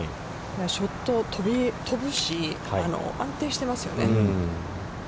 ショット、飛ぶし、安定していますよね。